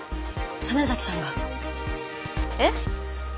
曽根崎さんが。えっ？